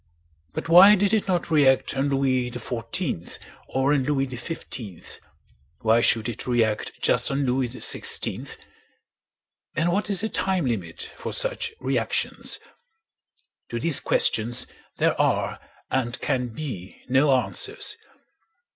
But why did it not react on Louis XIV or on Louis XV—why should it react just on Louis XVI? And what is the time limit for such reactions? To these questions there are and can be no answers.